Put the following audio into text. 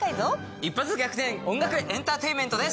一発逆転、音楽エンターテインメントです。